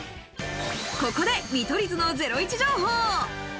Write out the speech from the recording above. ここで見取り図のゼロイチ情報！